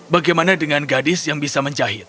bagaimana dengan gadis yang bisa menjahit